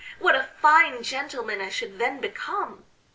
what a fine gentleman I should then become!...